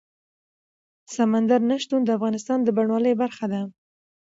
سمندر نه شتون د افغانستان د بڼوالۍ برخه ده.